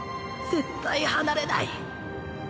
絶対離れない